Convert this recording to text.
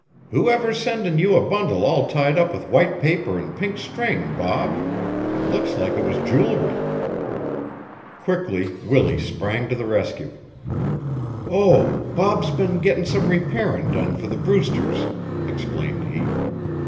"Whoever's sendin' you a bundle all tied up with white paper an' pink string, Bob? It looks like it was jewelry." Quickly Willie sprang to the rescue. "Oh, Bob's been gettin' some repairin' done for the Brewsters," explained he.